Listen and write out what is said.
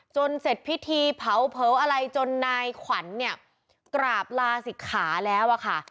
เสร็จพิธีเผาเผลออะไรจนนายขวัญเนี่ยกราบลาศิกขาแล้วอะค่ะ